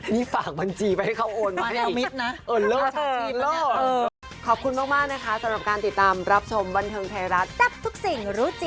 นี่ฝากบัญชีไปให้เขาโอน